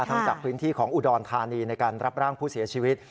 ทั้งจากพื้นที่ของอุดรธานีในการรับร่างผู้เสียชีวิต